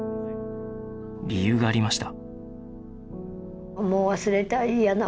理由がありました